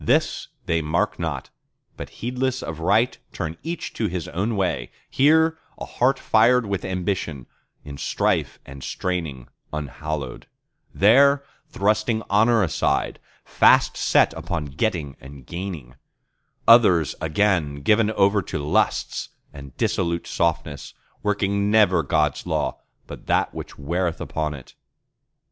This they mark not, but heedless of right, turn each to his own way, Here, a heart fired with ambition, in strife and straining unhallowed; There, thrusting honour aside, fast set upon getting and gaining; Others again given over to lusts and dissolute softness, Working never God's Law, but that which wareth upon it.